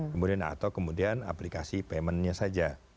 kemudian atau kemudian aplikasi paymentnya saja